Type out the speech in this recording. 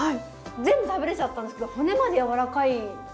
全部食べれちゃったんですけど骨までやわらかいですかね？